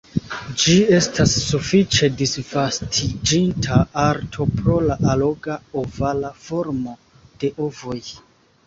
Ĝi estas sufiĉe disvastiĝinta arto pro la alloga, ovala formo de ovoj.